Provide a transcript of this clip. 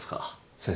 先生。